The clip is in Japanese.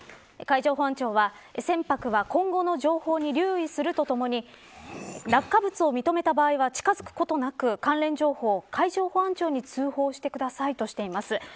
海上保安庁は、船舶は今後の情報に留意するとともに落下物を認めた場合は近づくことなく関連情報を海上保安庁に通報してくださいとしています。